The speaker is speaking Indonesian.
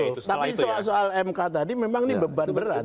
tapi soal mk tadi memang ini beban berat